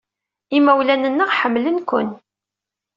Imawlan-nneɣ ḥemmlen-ken.